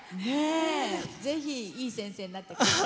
ぜひ、いい先生になってください。